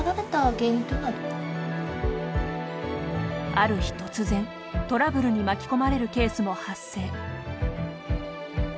ある日突然、トラブルに巻き込まれるケースも発生。